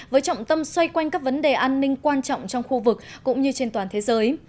với trọng tâm xoay quanh các vấn đề an ninh quan trọng trong khu vực cũng như trên toàn thế giới